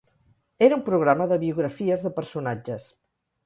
Era un programa de biografies de personatges.